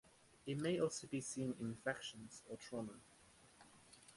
It may also be seen in infections or trauma.